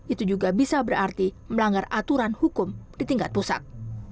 itu juga bisa berarti melanggar aturan hukum di tingkat pusat